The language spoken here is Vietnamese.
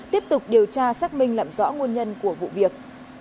tiếp tục điều tra xác minh làm rõ nguồn nhân của vụ việc